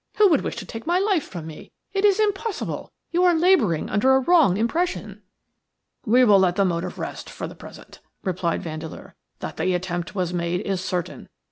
"Who could wish to take my life from me? It is impossible. You are labouring under a wrong impression." "We will let the motive rest for the present," replied Vandeleur. "That the attempt was made is certain.